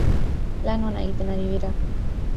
Lan ona egiten ari dira.